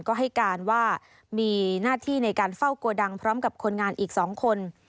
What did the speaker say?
ก็ให้การว่ามีหน้าที่ในการเฝ้าโกดังพร้อมกับคนงานอีก๒คน